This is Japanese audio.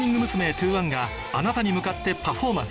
’２１があなたに向かってパフォーマンス